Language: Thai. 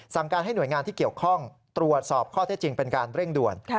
การให้หน่วยงานที่เกี่ยวข้องตรวจสอบข้อเท็จจริงเป็นการเร่งด่วน